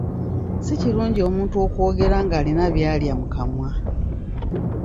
Si kirungi omuntu okwogera nga alina byalya mu kamwa.